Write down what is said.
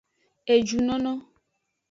Ejunono.